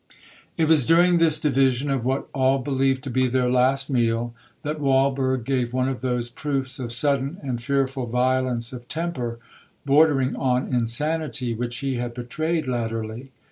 'It was during this division of what all believed to be their last meal, that Walberg gave one of those proofs of sudden and fearful violence of temper, bordering on insanity, which he had betrayed latterly.